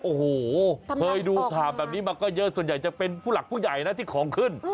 โอ้โหเคยดูข่าวแบบนี้มาก็เยอะส่วนใหญ่จะเป็นผู้หลักผู้ใหญ่นะที่ของขึ้น